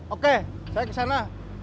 oke saya kesana